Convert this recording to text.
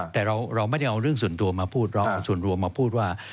แต่เราไม่ได้เอาเรื่องส่วนตัวมาพูดเราเอาส่วนรวมมาพูดว่า